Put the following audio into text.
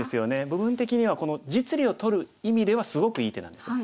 部分的にはこの実利を取る意味ではすごくいい手なんですよ。